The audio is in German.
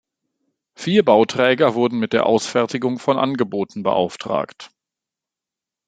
Vier Bauträger wurden mit der Ausfertigung von Angeboten beauftragt.